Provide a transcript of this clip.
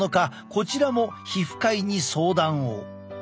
こちらも皮膚科医に相談を。